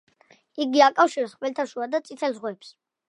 იგი აკავშირებს ხმელთაშუა და წითელ ზღვებს.